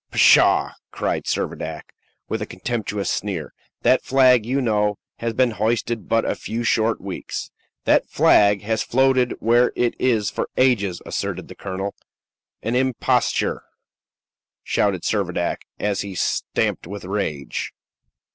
"Pshaw!" cried Servadac, with a contemptuous sneer; "that flag, you know, has been hoisted but a few short weeks." "That flag has floated where it is for ages," asserted the colonel. "An imposture!" shouted Servadac, as he stamped with rage.